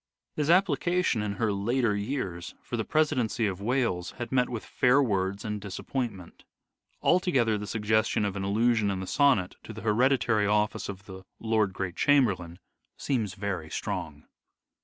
His application, in her later years, for the presidency of Wales had met with fair words and disappointment. Altogether the suggestion of an allusion in the sonnet to the hereditary office of the Lord Great Chamberlain seems very strong.